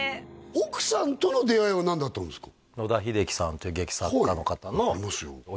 奥さんとの出会いは何だったんですか？